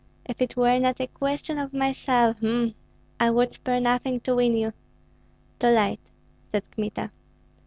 If it were not a question of myself h'm! I would spare nothing to win you." "Too late!" said Kmita.